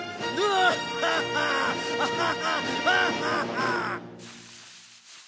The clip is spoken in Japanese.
アハハハハ！